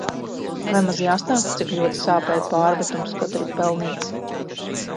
Vai maz jāstāsta, cik ļoti sāpēja pārmetums, kaut arī pelnīts.